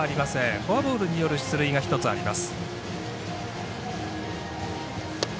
フォアボールによる出塁が１つあります。